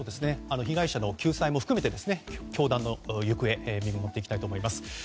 被害者の救済も含めて教団の行方を見守っていきたいと思います。